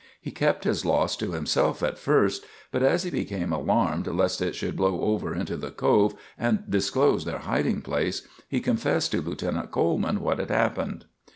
He kept his loss to himself at first, but as he became alarmed lest it should blow over into the Cove and disclose their hiding place, he confessed to Lieutenant Coleman what had happened.